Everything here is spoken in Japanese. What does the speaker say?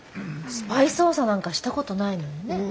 スパイ捜査なんかしたことないのにね。